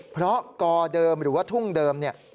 เพราะกอเดิมหรือว่าทุ่งเดิมเนี่ย